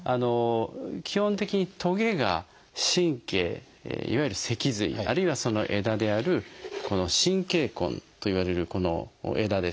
基本的にトゲが神経いわゆる脊髄あるいはその枝であるこの神経根といわれるこの枝ですね